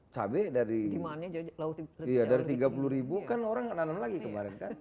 cabai dari rp tiga puluh kan orang nganam lagi kemarin kan